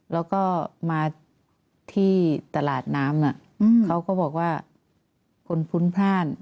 แล้วก็มาที่ตลาดน้ำเขาก็บอกว่าคนพุ้นพลาด